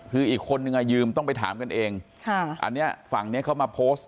คืออีกคนนึงอ่ะยืมต้องไปถามกันเองค่ะอันนี้ฝั่งเนี้ยเขามาโพสต์